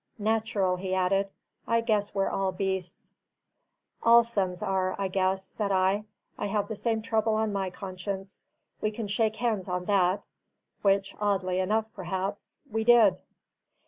Natural," he added; "I guess we're all beasts." "All sons are, I guess," said I. "I have the same trouble on my conscience: we can shake hands on that." Which (oddly enough, perhaps) we did.